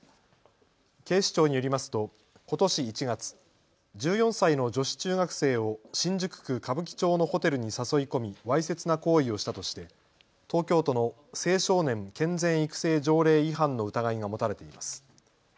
警視庁によりますとことし１月、１４歳の女子中学生を新宿区歌舞伎町のホテルに誘い込み、わいせつな行為をしたとして東京都の青少年健全育成条例違反の疑いが持たれています。